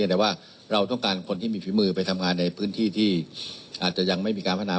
แต่ว่าเราต้องการคนที่มีฝีมือไปทำงานในพื้นที่ที่อาจจะยังไม่มีการพัฒนา